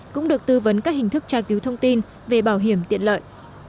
cũng được tư vấn các hình thức tra cứu thông tin về bảo hiểm tiện lợi